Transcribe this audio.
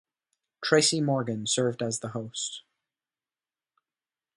Tracy Morgan served as the host.